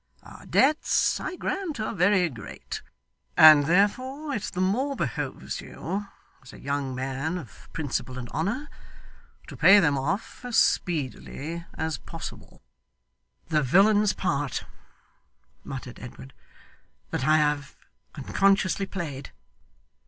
Our debts, I grant, are very great, and therefore it the more behoves you, as a young man of principle and honour, to pay them off as speedily as possible.' 'The villain's part,' muttered Edward, 'that I have unconsciously played!